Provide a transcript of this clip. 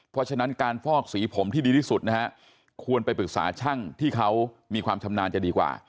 เพราะฉะนั้นการฟอกสีผมที่ดีที่สุดนะฮะควรไปปรึกษาช่างที่เขามีความชำนาญจะดีกว่า